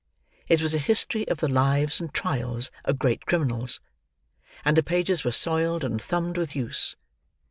It was a history of the lives and trials of great criminals; and the pages were soiled and thumbed with use.